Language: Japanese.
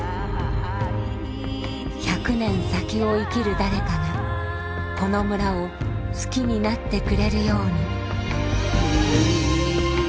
１００年先を生きる誰かがこの村を好きになってくれるように。